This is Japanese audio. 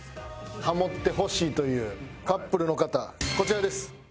ハモってほしいというカップルの方こちらです。